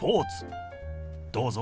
どうぞ。